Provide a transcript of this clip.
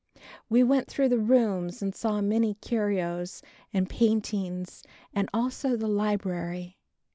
We went through the rooms and saw many curios and paintings and also the library.